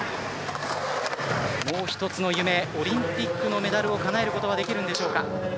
もう一つの夢オリンピックのメダルをかなえることはできるんでしょうか。